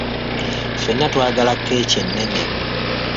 Ffenna twagala keeki ennene.